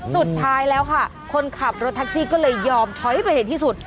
สุดท้ายแล้วค่ะคนขับรถแท็กซี่ก็เลยยอมถอยไปเห็นที่สุด